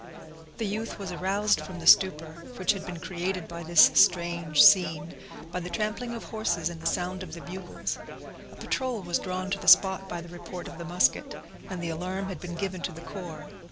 The youth was aroused from the stupor, which had been created by this strange scene, by the trampling of horses, and the sound of the bugles. A patrol was drawn to the spot by the report of the musket, and the alarm had been given to the corps.